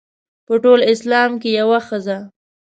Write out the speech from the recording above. په ټول اسلام کې یوه ښځه.